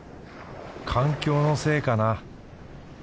環境のせいかな？